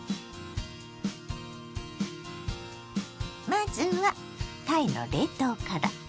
まずはたいの冷凍から。